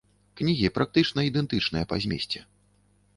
Кнігі практычна ідэнтычныя па змесце.